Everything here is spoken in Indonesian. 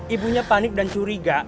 ibunya panik dan curiga